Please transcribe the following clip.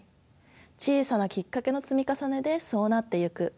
小さなきっかけの積み重ねでそうなってゆく。